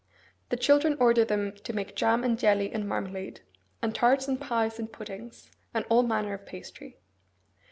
The children order them to make jam and jelly and marmalade, and tarts and pies and puddings, and all manner of pastry.